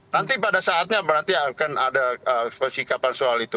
nanti pada saatnya berarti akan ada persikapan soal itu